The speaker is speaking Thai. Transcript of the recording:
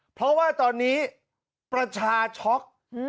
เพราะว่าตอนนี้ประชาช็อก